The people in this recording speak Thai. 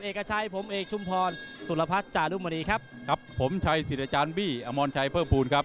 เอกชัยผมเอกชุมพรสุรพัฒน์จารุมณีครับกับผมชัยสิทธิ์อาจารย์บี้อมรชัยเพิ่มภูมิครับ